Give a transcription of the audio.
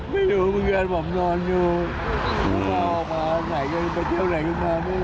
ไม่รู้เมื่อเกิดผมนอนอยู่มาออกมาไหนก็ไปเที่ยวไหนก็มาไม่รู้